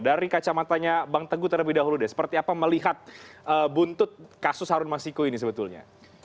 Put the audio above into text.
dari kacamatanya bang teguh terlebih dahulu deh seperti apa melihat buntut kasus harun masiku ini sebetulnya